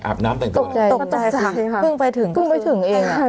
น้ำแต่งตกใจตกใจค่ะเพิ่งไปถึงเพิ่งไปถึงเอง